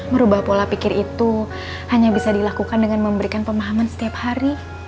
merubah pola pikir itu hanya bisa dilakukan dengan memberikan pemahaman setiap hari